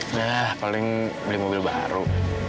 udah paling beli mobil baru